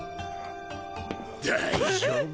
大丈夫。